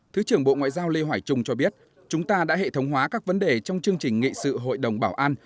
thứ trưởng bộ ngoại giao lê hoài trung cho biết chúng ta đã hệ thống hóa các vấn đề trong chương trình nghị sự hội đồng bảo an